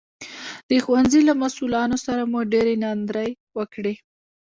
د ښوونځي له مسوولانو سره مو ډېرې ناندرۍ وکړې